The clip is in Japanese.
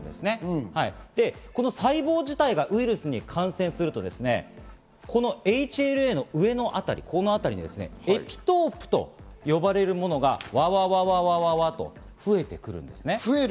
細胞自体がウイルスに感染すると、このＨＬＡの上の辺り、エピトープと呼ばれるものがワワワワワと増えてくるんですね。